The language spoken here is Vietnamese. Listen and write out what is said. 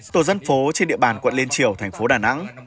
tổ dân phố trên địa bàn quận liên triều thành phố đà nẵng